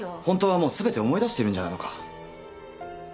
ホントはもう全て思い出しているんじゃないのか？